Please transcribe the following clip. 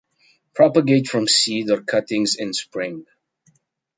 Propagate from seed or cuttings in spring.